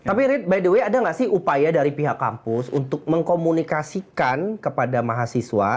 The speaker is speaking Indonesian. tapi rid by the way ada gak sih upaya dari pihak kampus untuk mengubah gitu kan mekanisme subsidi silang